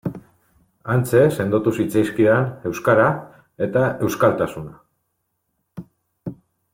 Hantxe sendotu zitzaizkidan euskara eta euskaltasuna.